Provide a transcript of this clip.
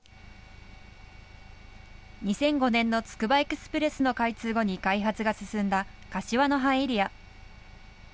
２００５年のつくばエクスプレスの開通後に開発が進んだ、柏の葉エリア。